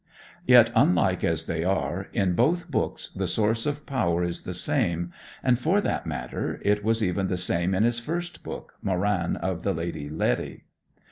Yet unlike as they are, in both books the source of power is the same, and, for that matter, it was even the same in his first book, "Moran of the Lady Letty."